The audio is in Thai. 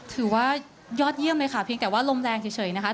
ถือว่ายอดเยี่ยมเลยค่ะเพียงแต่ว่าลมแรงเฉยนะคะ